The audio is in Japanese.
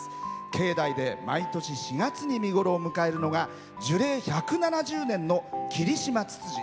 境内で毎年４月に見頃を迎えるのは樹齢１７０年のキリシマツツジ。